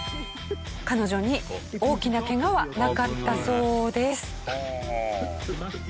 彼女に大きなケガはなかったそうです。